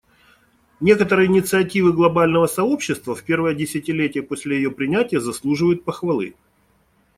Некоторые инициативы глобального сообщества в первое десятилетие после ее принятия заслуживают похвалы.